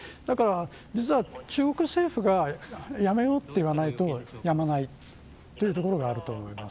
実は、中国政府がやめようと言わないとやめないところがあると思います。